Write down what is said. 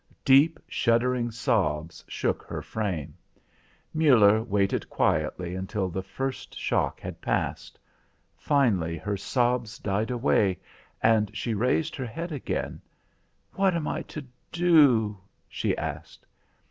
Deep shuddering sobs shook her frame. Muller waited quietly until the first shock had passed. Finally her sobs died away and she raised her head again. "What am I to do?" she asked.